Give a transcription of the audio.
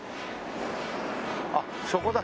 あっそこだ。